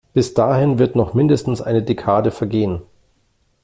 Bis dahin wird noch mindestens eine Dekade vergehen.